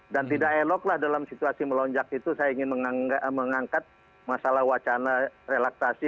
dan tidak eloklah dalam situasi melonjak itu saya ingin mengangkat masalah wacana relaksasi